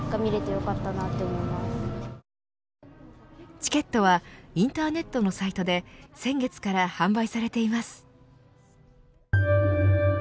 チケットはインターネットのサイトで先月から販売されています。